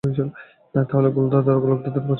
তাহলে, গোলকধাঁধার চক্করে পড়ার থিউরীটা ভুল।